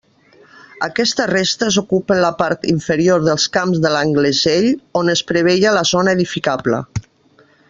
Aquestes restes ocupen la part inferior dels camps de l'Anglesell on es preveia la zona edificable.